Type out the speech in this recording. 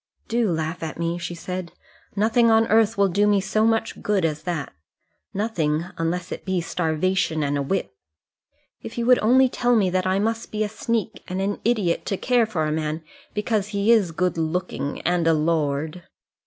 "Do laugh at me," she said. "Nothing on earth will do me so much good as that; nothing, unless it be starvation and a whip. If you would only tell me that I must be a sneak and an idiot to care for a man because he is good looking and a lord!"